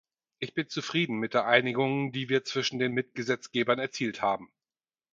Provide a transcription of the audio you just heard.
Ich bin zufrieden mit der Einigung, die wir zwischen den Mitgesetzgebern erzielt haben.